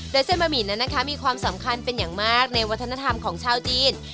โดยเส้นบะหมี่นั้นนะคะมีความสำคัญเป็นอย่างมากในวัฒนธรรมของชาวจีน